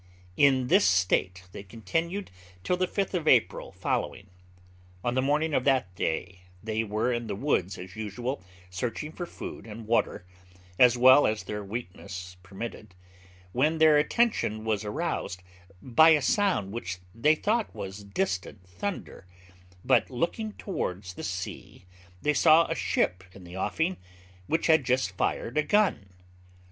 'In this state they continued till the 5th of April following. On the morning of that day they were in the woods as usual, searching for food and water, as well as their weakness permitted, when their attention was aroused by a sound which they thought was distant thunder; but looking towards the sea, they saw a ship in the offing, which had just fired a gun.